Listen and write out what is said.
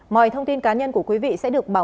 mọi thông tin cá nhân của quý vị sẽ được bảo mật